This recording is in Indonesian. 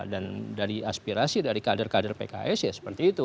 dan dari aspirasi dari kader kader pks ya seperti itu